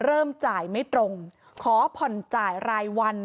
เริ่มจ่ายไม่ตรงขอผ่อนจ่ายรายวัน